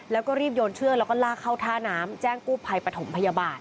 แล้วก็รีบโยนเชือกแล้วก็ลากเข้าท่าน้ำแจ้งกู้ภัยปฐมพยาบาล